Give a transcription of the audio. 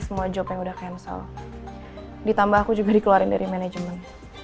semua job yang udah cancel ditambah aku juga dikeluarin dari manajemen